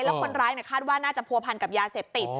แล้วคนร้ายคาดว่าน่าจะผัวพันกับยาเสพติด